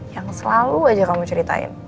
yang selalu aja kamu ceritain